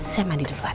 saya mandi duluan